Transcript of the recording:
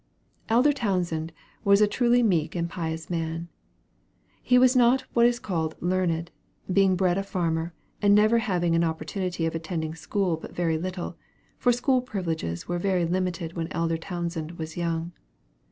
Elder Townsend was a truly meek and pious man. He was not what is called learned, being bred a farmer, and never having had an opportunity of attending school but very little for school privileges were very limited when Elder Townsend was young.